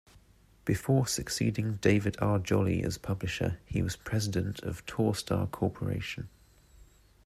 Before succeeding David R. Jolley as publisher, he was president of Torstar Corporation.